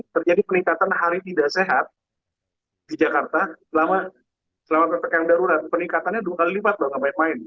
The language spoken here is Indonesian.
terjadi peningkatan hari tidak sehat di jakarta selama ppkm darurat peningkatannya dua kali lipat loh nggak main main